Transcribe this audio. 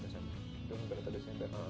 mungkin november atau desember